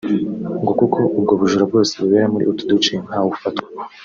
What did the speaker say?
ngo kuko ubwo bujura bwose bubera muri utu duce ntawufatwa